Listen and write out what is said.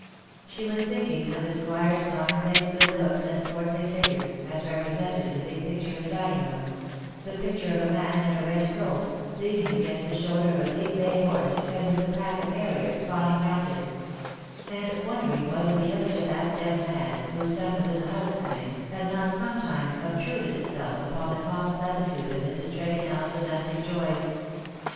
She was thinking of the Squire^s commonplace good looks and portly figure, as represented in the big picture in the dining room — the picture of a man in a red coat^ leaning against the shoulder of a big bay horse, and with a pack of harriers fawning round him — and wondering whether the image of that dead man, whose son was in the house to night, had not sometimes obtruded itself upon the calm plenitude of Mrs. TregonelPs domestic joys.